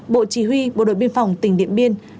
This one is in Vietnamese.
bộ chỉ huy bộ đội biên phòng tỉnh điện biên